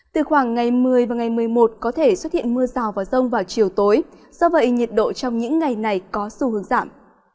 từ khoảng ngày một mươi và ngày một mươi một có thể xuất hiện mưa rào và rông vào chiều tối do vậy nhiệt độ trong những ngày này có xu hướng giảm